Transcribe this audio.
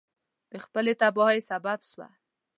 د خپلې تباهی سبب سوه.